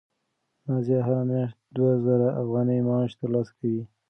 نازیه هره میاشت دوه زره افغانۍ معاش ترلاسه کوي.